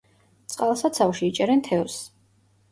წყალსაცავში იჭერენ თევზს.